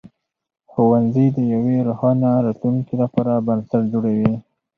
ښوونځي د یوې روښانه راتلونکې لپاره بنسټ جوړوي.